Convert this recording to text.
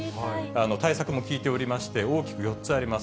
対策も聞いておりまして、大きく４つあります。